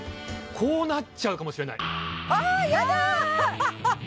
こうなっちゃうかもしれないあやだ！